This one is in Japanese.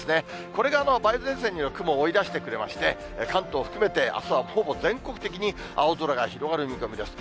これが梅雨前線による雲を追い出してくれまして、関東含めて、あすはほぼ全国的に青空が広がる見込みです。